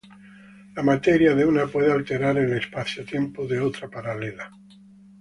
La materia de una puede alterar el espaciotiempo de otra paralela.